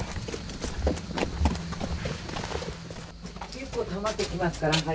結構たまってきますから灰が。